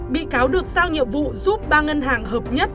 bị cáo được giao nhiệm vụ giúp ba ngân hàng hợp nhất